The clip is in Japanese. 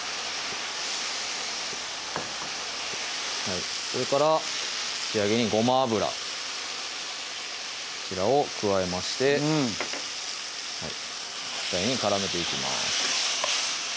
はいそれから仕上げにごま油こちらを加えましてこちらに絡めていきます